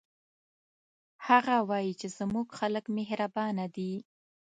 هغه وایي چې زموږ خلک مهربانه دي